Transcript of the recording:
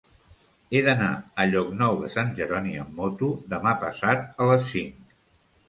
He d'anar a Llocnou de Sant Jeroni amb moto demà passat a les cinc.